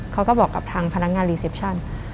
เขาก็บอกกับทางพนักงานรีเซปชั่น